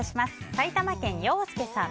埼玉県の方。